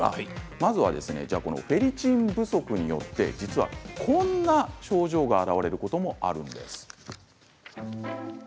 まずはフェリチン不足によって実はこんな症状が現れることもあるんです。